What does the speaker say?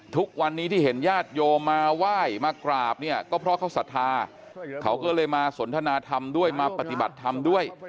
ทุกวันนี้ที่เห็นญาติโยมมาไหว้มากราบเนี่ยก็เพราะเขาศรัทธาเขาก็เลยมาสนทนาธรรมด้วยมาปฏิบัติธรรมด้วย